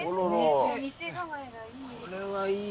店構えがいい。